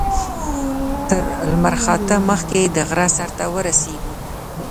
تر لمر خاته مخکې د غره سر ته ورسېږو.